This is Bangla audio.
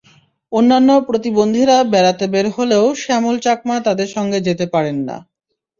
অন্যান্য প্রতিবন্ধীরা বেড়াতে বের হলেও শ্যামল চাকমা তাঁদের সঙ্গে যেতে পারেন না।